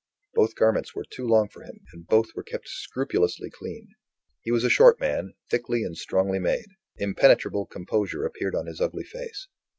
Both garments were too long for him, and both were kept scrupulously clean. He was a short man, thickly and strongly made. Impenetrable composure appeared on his ugly face.